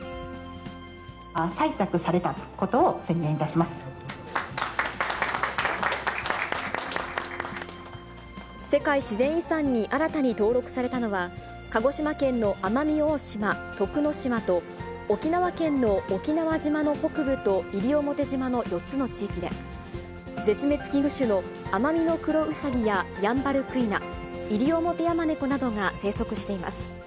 採択されたことを宣言いたし世界自然遺産に新たに登録されたのは、鹿児島県の奄美大島、徳之島と、沖縄県の沖縄島の北部と、西表島の４つの地域で、絶滅危惧種のアマミノクロウサギやヤンバルクイナ、イリオモテヤマネコなどが生息しています。